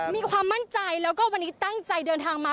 มีความมั่นใจแล้วก็วันนี้ตั้งใจเดินทางมา